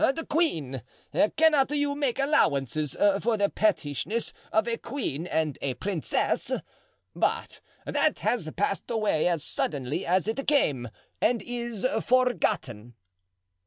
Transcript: The queen—cannot you make allowances for the pettishness of a queen and a princess? But that has passed away as suddenly as it came, and is forgotten."